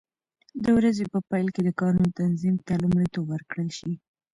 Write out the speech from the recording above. د ورځې په پیل کې د کارونو تنظیم ته لومړیتوب ورکړل شي.